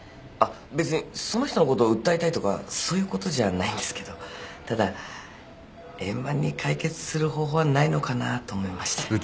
あっ別にその人のことを訴えたいとかそういうことじゃないんですけどただ円満に解決する方法はないのかなと思いまして。